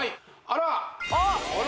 あら！